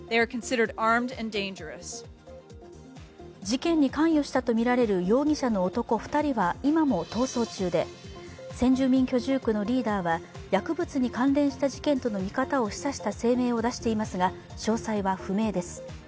事件に関与したとみられる容疑者の男２人は今も逃走中で先住民居住区のリーダーは薬物に関連した事件との見方を示唆した声明を出していますが、詳細は不明です。